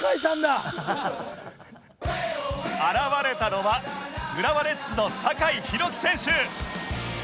現れたのは浦和レッズの酒井宏樹選手